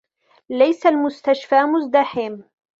ليس المستشفى مزدحم.